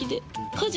家事。